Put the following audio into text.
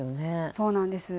そうなんです。